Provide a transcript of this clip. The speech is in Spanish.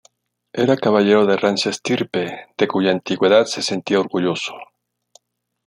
Era caballero de rancia estirpe, de cuya antigüedad se sentía orgulloso.